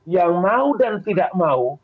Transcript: yang mau dan tidak mau